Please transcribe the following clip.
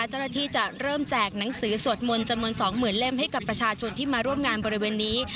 เจ้าหน้าที่จะเริ่มแจกหนังสือสวดมนต์จำนวน๒๐๐๐เล่มให้กับประชาชนที่มาร่วมงานบริเวณนี้